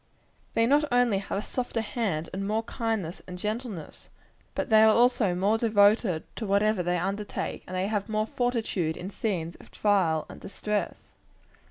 They not only have a softer hand, and more kindness and gentleness, but they are also more devoted to whatever they undertake; and they have more fortitude in scenes of trial and distress.